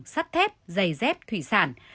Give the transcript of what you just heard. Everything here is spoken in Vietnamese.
sắt thép giày dép thủy sản